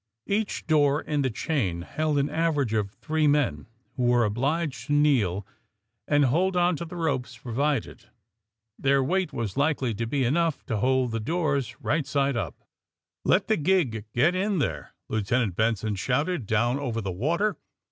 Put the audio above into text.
Each door in the chain held an average of three men, who were obliged to kneel and hold on to the ropes provided. Their weight was likely to be enough to hold the doors right side up. "Let the gig get in there," Lieutenant Benson AND THE SMUGGLEES 133 shouted down over the water.